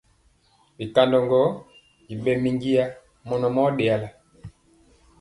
Bikandɔ gwɔŋ i ɓɛ minjiya mɔnɔ a ɗeyala.